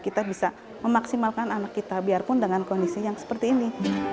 kita bisa memaksimalkan anak kita biarpun dengan kondisi yang seperti ini